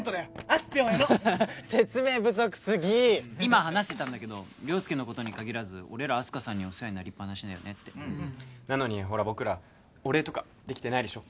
あすぴょんへの説明不足すぎ今話してたんだけど良介のことにかぎらず俺らあす花さんにお世話になりっぱなしだよねってなのにほら僕らお礼とかできてないでしょ？